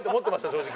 正直。